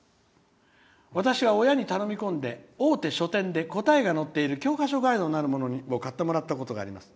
私は親に頼み込んで大手書店で答えが載っている教科書ガイドなるものを買ってもらったことがあります。